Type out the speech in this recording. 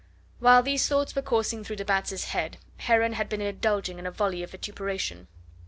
While these thoughts were coursing through de Batz' head, Heron had been indulging in a volley of vituperation.